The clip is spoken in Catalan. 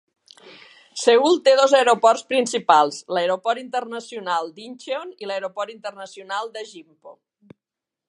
Seül té dos aeroports principals: l'Aeroport Internacional d'Incheon i l'Aeroport Internacional de Gimpo.